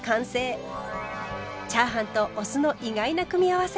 チャーハンとお酢の意外な組み合わせ。